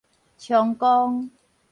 充公